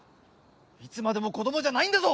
いつまでも子どもじゃないんだぞ！